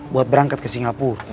buat berangkat ke singapur